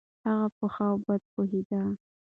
هغه په ښې بدې پوهېده.